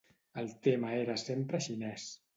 El tema era sempre xinès.